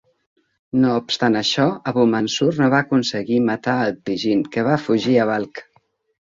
No obstant això, Abu Mansur no va aconseguir matar Alptigin, que va fugir a Balkh.